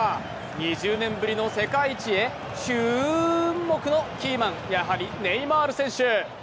２０年ぶりの世界一へ注目のキーマン、やはりネイマール選手。